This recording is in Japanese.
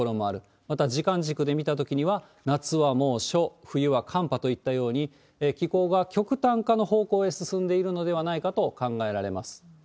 また時間軸で見たときには、夏は猛暑、冬は寒波といったように、気候が極端化の方向へ進んでいるのではないかと考えられます。